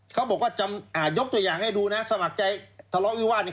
เขาบอกว่ายกตัวอย่างให้ดูนะสมัครใจทะเลาะวิวาส